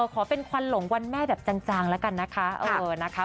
ขอเป็นควันหลงวันแม่แบบจางแล้วกันนะคะ